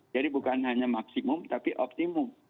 jadi bukan hanya maksimum tapi optimum